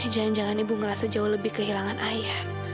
jangan jangan ibu ngerasa jauh lebih kehilangan ayah